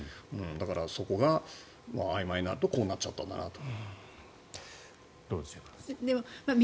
だから、そこがあいまいだとこうなっちゃったんだなと。